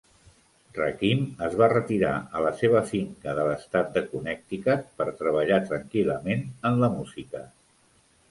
Rakim es va retirar a la seva finca de l"estat de Connecticut per treballar tranquil·lament en la música.